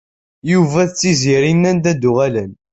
Yuba d Tiziri nnan-d ad d-uɣalen.